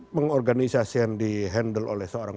pengorganisasian di handle oleh seorang